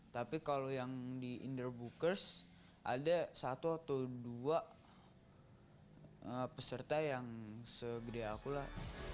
tapi kalau yang di inderbookers ada satu atau dua peserta yang segede akulah